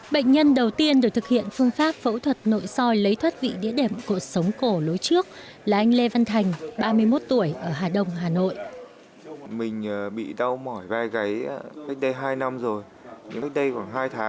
bệnh nhân đầu tiên được thực hiện phương pháp phẫu thuật nội soi lấy thoát vị địa đẹp của sống cổ lối trước là anh lê văn thành ba mươi một tuổi ở hà đông hà nội